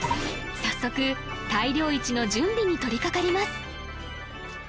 早速大漁市の準備に取りかかります